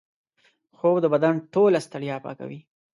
خوب د بدن ټوله ستړیا پاکوي